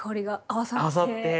合わさって。